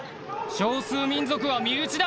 少数民族は身内だ！